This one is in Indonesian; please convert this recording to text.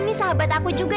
ini sahabat aku juga